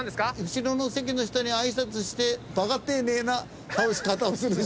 後ろの席の人にあいさつしてバカ丁寧な倒し方をする人。